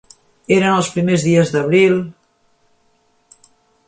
Eren els primers dies d'abril…